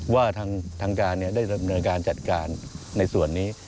ว่าทางการได้ดำเนินการจัดการในส่วนนี้